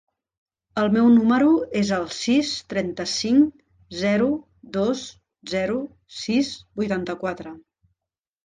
El meu número es el sis, trenta-cinc, zero, dos, zero, sis, vuitanta-quatre.